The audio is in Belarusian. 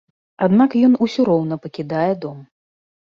Аднак ён усё роўна пакідае дом.